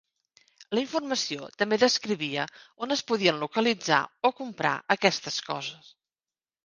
La informació també descrivia on es podien localitzar o comprar aquestes coses.